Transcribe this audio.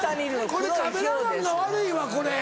これカメラマンが悪いわこれ。